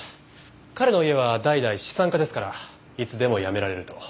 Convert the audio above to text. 彼の家は代々資産家ですからいつでも辞められると。